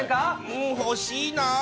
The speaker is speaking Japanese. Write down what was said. うん、欲しいな。